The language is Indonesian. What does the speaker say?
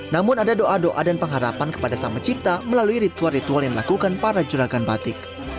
namun ada doa doa dan pengharapan kepada sang pencipta melalui ritual ritual yang dilakukan para juragan batik